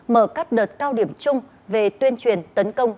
mở các đợt cao điểm chung về tuyên truyền tấn công